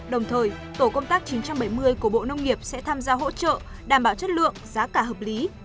đồng thời tổ công tác chín trăm bảy mươi của bộ nông nghiệp sẽ tham gia hỗ trợ đảm bảo chất lượng giá cả hợp lý